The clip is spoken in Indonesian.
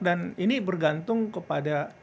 dan ini bergantung kepada